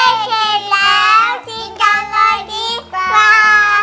เย้เข็ดแล้วชิดกันเลยดีกว่า